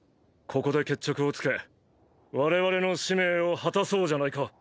ここで決着をつけ我々の使命を果たそうじゃないか。